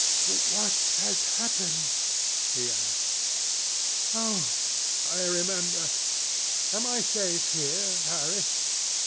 "What has happened?" he asked. "Oh! I remember. Am I safe here, Harry?"